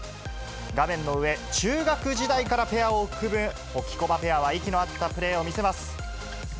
画面の上、中学時代からペアを組むホキコバペアは息の合ったプレーを見せます。